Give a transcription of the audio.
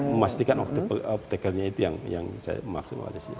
memastikan off taker nya itu yang bisa dimaksimalisasi